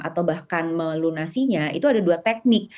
atau bahkan melunasinya itu ada dua teknik